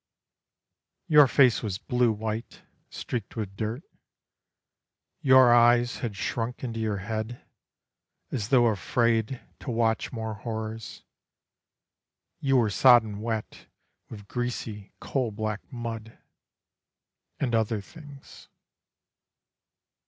Your face was blue white, streaked with dirt; your eyes Had shrunk into your head, as though afraid To watch more horrors; you were sodden wet With greasy coal black mud and other things.